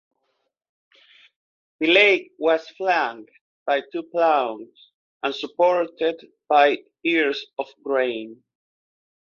The lake was flanked by two ploughs and supported by ears of grain.